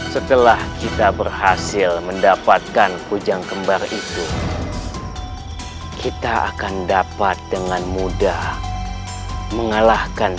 setelah kita berhasil mendapatkan kujang kembar itu kita akan dapat dengan mudah mengalahkan